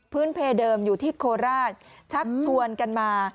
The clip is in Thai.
เพเดิมอยู่ที่โคราชชักชวนกันมา